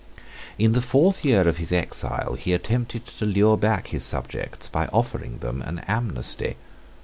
In the fourth year of his exile he attempted to lure back his subjects by offering them an amnesty.